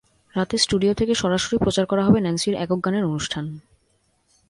রাতে স্টুডিও থেকে সরাসরি প্রচার করা হবে ন্যান্সির একক গানের অনুষ্ঠান।